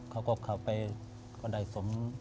เขาก็เข้าไปก็ได้สม